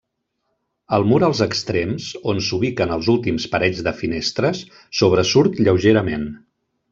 El mur als extrems, on s'ubiquen els últims parells de finestres, sobresurt lleugerament.